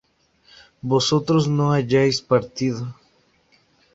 vosotros no hayáis partido